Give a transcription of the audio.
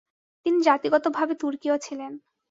তিনি জাতিগতভাবে তুর্কীয় ছিলেন।